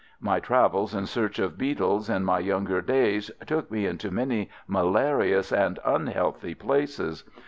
My travels in search of beetles in my younger days took me into many malarious and unhealthy places.